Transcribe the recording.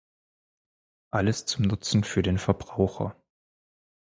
Alles zum Nutzen für den Verbraucher.